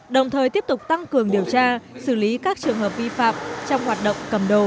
đồng thời tiếp tục tăng cường điều tra xử lý các trường hợp vi phạm trong hoạt động cầm đồ